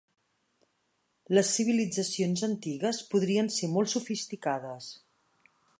Les civilitzacions antigues podrien ser molt sofisticades